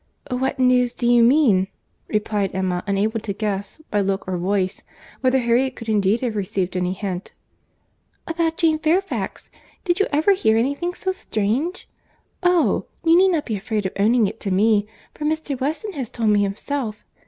"What news do you mean?" replied Emma, unable to guess, by look or voice, whether Harriet could indeed have received any hint. "About Jane Fairfax. Did you ever hear any thing so strange? Oh!—you need not be afraid of owning it to me, for Mr. Weston has told me himself.